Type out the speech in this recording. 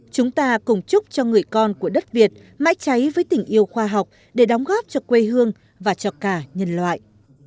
chúng ta cùng chúc cho người con của đất việt mãi cháy với tình yêu khoa học để đóng góp cho quê hương và cho cả nhân loại